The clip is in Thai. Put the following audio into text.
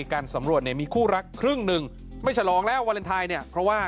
การสำรวจเนี่ยมีคู่รักครึ่งหนึ่งไม่ฉลองแล้ววาเลนไทยเนี่ยเพราะว่า